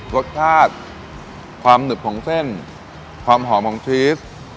รสชาติความหนึบของเส้นความหอมของชีส